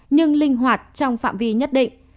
nhưng linh hoạt trong phạm vi nhất định